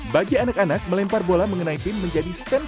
bagi anak anak melempar bola mengenai pin menjadi suatu keuntungan